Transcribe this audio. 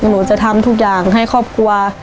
หนูจะทำทุกอย่างให้ครอบครัว